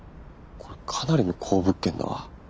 これかなりの好物件だわ。